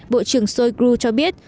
bộ trưởng shoigu cho biết